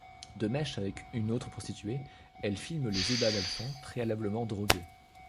De mèche avec une autre prostituée, elle filme les ébats d'Alphan préalablement drogué.